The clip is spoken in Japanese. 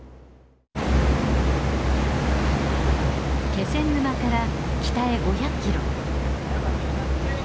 気仙沼から北へ５００キロ。